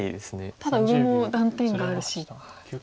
ただ上も断点があるし。